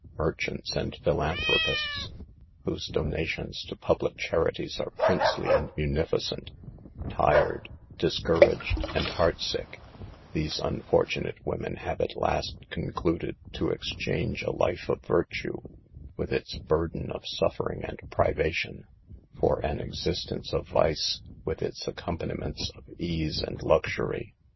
merchants and philanthropists, whose donations to public charities are prince ly and munificent; tired, discouraged and heartsick, these unfortunate women have at last concluded to exchange a life of virtue, with its burden of suffering and privation, for an existence of vice, with its accompaniments of ease and luxury.